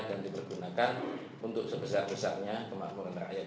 dan dipergunakan untuk sebesar besarnya kemakmuran rakyat